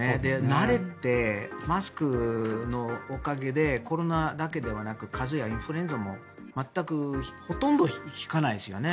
慣れて、マスクのおかげでコロナだけではなく風邪やインフルエンザも全くほどんと引かないですよね。